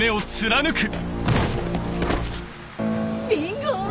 ビンゴ！